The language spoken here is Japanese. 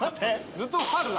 ずっとファウルだ。